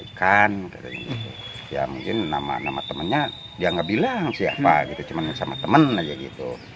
ikan ya mungkin nama nama temannya dia nggak bilang siapa gitu cuma sama temen aja gitu